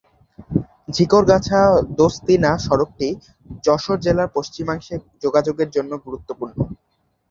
ঝিকরগাছা-দোসতিনা সড়কটি যশোর জেলার পশ্চিমাংশে যোগাযোগের জন্য গুরুত্বপূর্ণ।